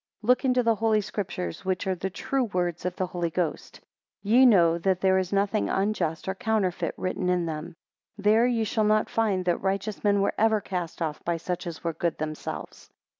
2 Look into the Holy Scriptures, which are the true words of the Holy Ghost. Ye know that there is nothing unjust or counterfeit written in them. 3 There you shall not find that righteous men were ever cast off by such as were good themselves.